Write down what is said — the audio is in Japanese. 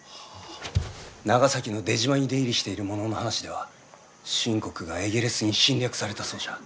長崎の出島に出入りしている者の話では清国がエゲレスに侵略されたそうじゃ。